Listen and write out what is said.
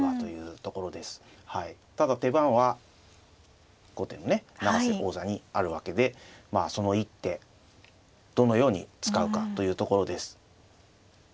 ただ手番は後手のね永瀬王座にあるわけでその一手どのように使うかというところです。